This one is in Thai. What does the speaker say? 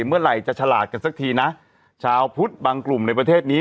เมื่อไหร่จะฉลาดกันสักทีนะชาวพุทธบางกลุ่มในประเทศนี้